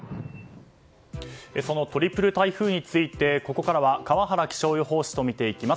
そのトリプル台風についてここからは川原気象予報士と見ていきます。